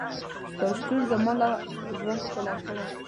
ستا شتون زما ژوند ښکلی کړی دی.